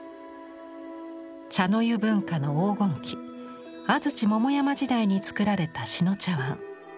茶の湯文化の黄金期安土桃山時代に作られた志野茶碗。